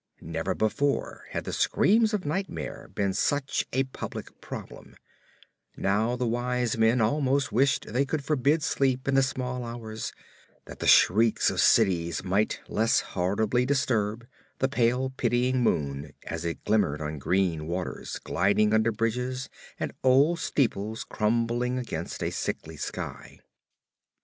Never before had the screams of nightmare been such a public problem; now the wise men almost wished they could forbid sleep in the small hours, that the shrieks of cities might less horribly disturb the pale, pitying moon as it glimmered on green waters gliding under bridges, and old steeples crumbling against a sickly sky.